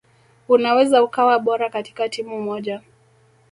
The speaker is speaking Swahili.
Unaweza ukawa bora katika timu moja